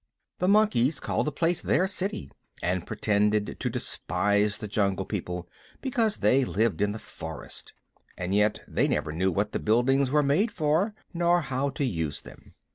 The monkeys called the place their city, and pretended to despise the Jungle People because they lived in the forest. And yet they never knew what the buildings were made for nor how to use them.